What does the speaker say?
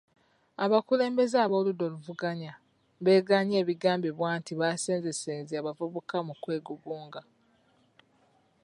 Abakulembeze ab'oludda oluvuganya beegaanye ebigambikwa nti baasenzesenze abavubuka mu kwegugunga.